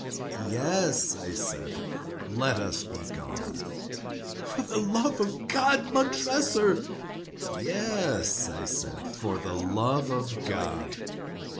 "Yes," I said, "let us be gone." "For the love of God, Montressor!" "Yes," I said, "for the love of God!"